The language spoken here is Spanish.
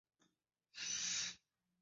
Esta persona es el amigo de Crusoe, Viernes.